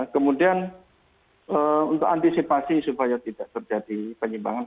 kemudian untuk antisipasi supaya tidak terjadi penyimpangan